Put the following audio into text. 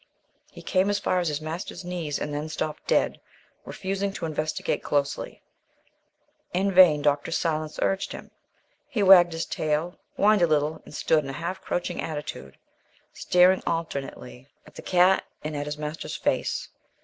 He came as far as his master's knees and then stopped dead, refusing to investigate closely. In vain Dr. Silence urged him; he wagged his tail, whined a little, and stood in a half crouching attitude, staring alternately at the cat and at his master's face.